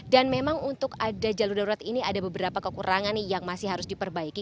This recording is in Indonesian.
dan memang untuk ada jalur darurat ini ada beberapa kekurangan yang masih harus diperbaiki